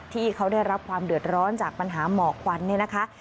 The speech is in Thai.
ที่เขาได้รับความเดือดร้อนจากปัญหาหมอกควันเนี่ยนะคะ